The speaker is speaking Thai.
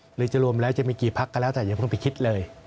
หรือจะรวมแล้วจะมีกี่พักก็แล้วแต่อย่าเพิ่งไปคิดเลย